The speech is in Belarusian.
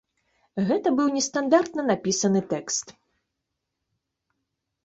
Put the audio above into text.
Гэта быў нестандартна напісаны тэкст.